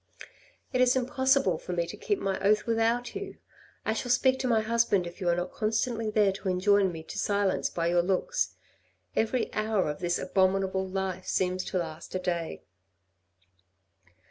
" It is impossible for me to keep my oath without you. I shall speak to my husband if you are not constantly there to enjoin me to silence by your looks. Every hour of this abominable life seems to last a day."